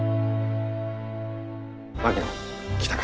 槙野来たか。